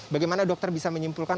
bagaimana dokter bisa menyimpulkan